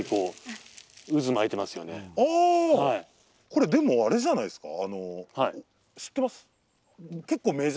これでもあれじゃないですか？